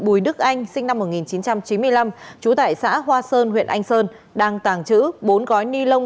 bùi đức anh sinh năm một nghìn chín trăm chín mươi năm trú tại xã hoa sơn huyện anh sơn đang tàng trữ bốn gói ni lông